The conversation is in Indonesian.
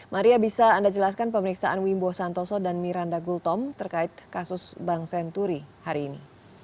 maria bisa anda jelaskan pemeriksaan wimbo santoso dan miranda gultom terkait kasus bank senturi hari ini